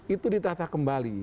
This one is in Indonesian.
itu ditata kembali